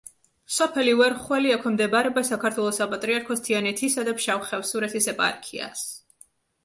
სოფელი ვერხველი ექვემდებარება საქართველოს საპატრიარქოს თიანეთისა და ფშავ-ხევსურეთის ეპარქიას.